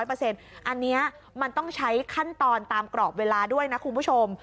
อันนี้มันต้องใช้ขั้นตอนตามกรอบเวลาด้วยนะคุณผู้ชม